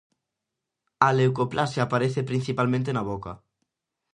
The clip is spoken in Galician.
A leucoplasia aparece principalmente na boca.